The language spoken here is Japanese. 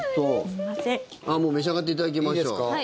もう召し上がっていただきましょう。